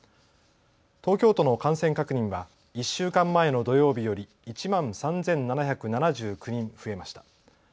東京都の感染確認は１週間前の土曜日より１万３７７９人増えました。